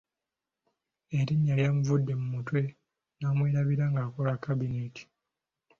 Erinnya lyamuvudde mu mutwe n’amwerabira ng’akola kabineeti.